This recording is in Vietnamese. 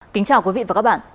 kính chào quý vị và các bạn